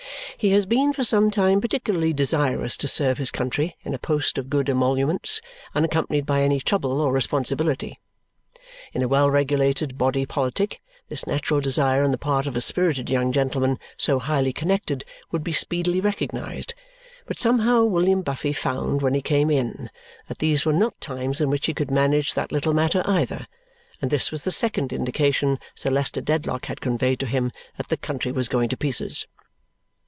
He has been for some time particularly desirous to serve his country in a post of good emoluments, unaccompanied by any trouble or responsibility. In a well regulated body politic this natural desire on the part of a spirited young gentleman so highly connected would be speedily recognized, but somehow William Buffy found when he came in that these were not times in which he could manage that little matter either, and this was the second indication Sir Leicester Dedlock had conveyed to him that the country was going to pieces.